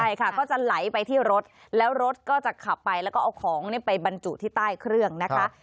ใช่ค่ะก็จะไหลไปที่รถแล้วรถก็จะขับไปแล้วก็เอาของไปบรรจุที่ใต้เครื่องนะคะ